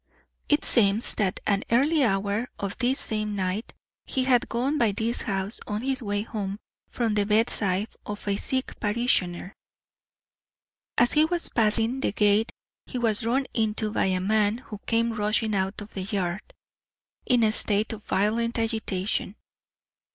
It seems that at an early hour of this same night he had gone by this house on his way home from the bedside of a sick parishioner. As he was passing the gate he was run into by a man who came rushing out of the yard, in a state of violent agitation.